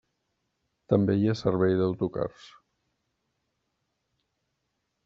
També hi ha servei d'autocars.